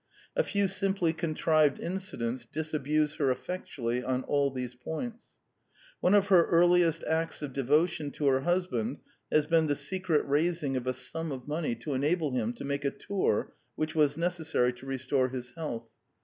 A few simply contrived incidents disabuse her effectually on all these points. One of her earliest acts of devotion to her husband has been the secret raising of a sum of money to enable him to make a tour which was necessary to restore his health.